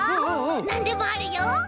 なんでもあるよ。